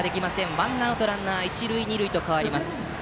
ワンアウトランナー、一塁二塁と変わります。